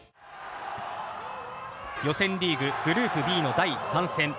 予選リーググループＢの第３戦。